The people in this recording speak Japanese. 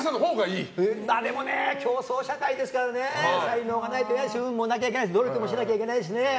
でもね、競争社会ですからね才能もないといけないし運もないといけないし努力もしないとだしね。